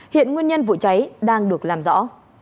hiện nguyên nhân vụ cháy đang được làm rõ